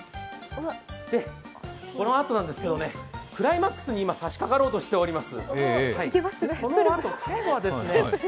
このあとなんですけど、クライマックスに今、さしかかろうとしております。